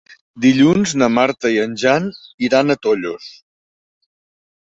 Dilluns na Marta i en Jan iran a Tollos.